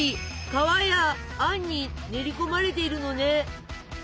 皮やあんに練り込まれているのね。